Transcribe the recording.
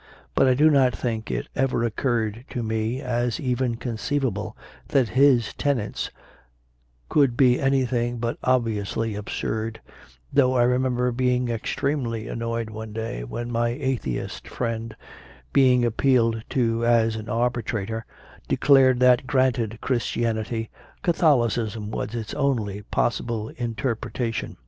But I do not think it ever oc curred to me as even conceivable that his tenets could be anything but obviously absurd, though I remember being extremely annoyed one day when my atheist friend, being appealed to as an arbitrator, declared that, granted Christianity, Catholicism was its only possible interpretation.